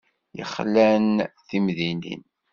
Yexlan timdinin.